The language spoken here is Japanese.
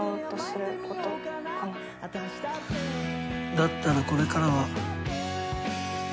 だったらこれからは。